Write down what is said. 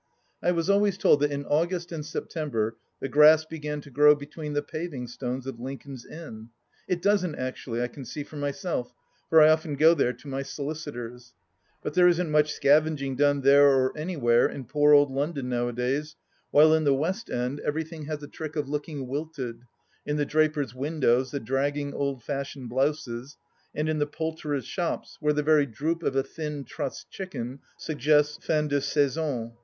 I was always told that in August and September the grass began to grow between the paving stones of Lincoln's Inn. It doesn't, actually, I can see for myself, for I often go there to my solicitors. But there isn't much scavengering done there or anywhere in poor old London nowadays, while in the West End everything has a trick of looking wilted — in the drapers' windows the dragging old fashioned blouses, and in the poulterers' shops, where the very droop of a thin trussed chicken suggests fin de saison.